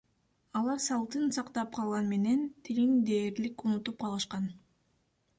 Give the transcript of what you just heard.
Алар салтын сактап калган менен, тилин дээрлик унутуп калышкан.